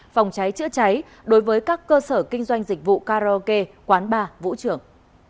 phòng cháy chữa cháy đối với các cơ sở kinh doanh dịch vụ karaoke quán bar vũ trường